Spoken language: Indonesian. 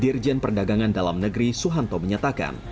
dirjen perdagangan dalam negeri suhanto menyatakan